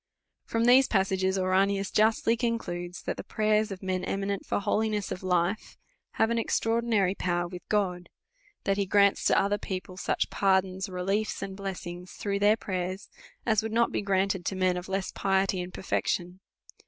From these passages Ouranius justly concludes, that the prayers of men eminent for holiness of life have an extraordinary power with God; that he grants to other people such pardons, reliefs, and blessings, Ihrouo U their prayers, as would not be granted to men DEVOUT AND HOLY LIFE. 299 of less piety and perfection.